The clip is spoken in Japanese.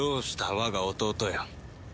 我が弟よ。